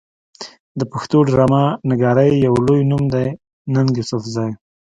د پښتو ډرامه نګارۍ يو لوئې نوم دی ننګ يوسفزۍ